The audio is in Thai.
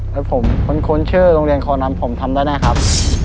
แล้วผมคุ้นชื่อโรงเรียนคอนำผมทำได้แน่ครับ